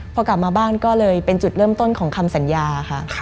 พอกลับมาบ้านก็เลยเป็นจุดเริ่มต้นของคำสัญญาค่ะ